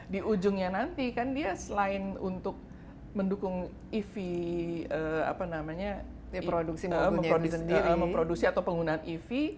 di ujungnya nanti kan dia selain untuk mendukung ev apa namanya memproduksi atau penggunaan ev